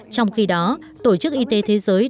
trong khi đó tổ chức y tế thế giới